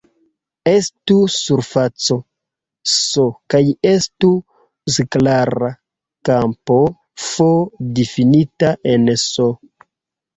Estu surfaco "S" kaj estu skalara kampo "f" difinita en "S".